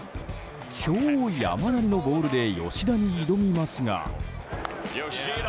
超山なりのボールで吉田に挑みますが。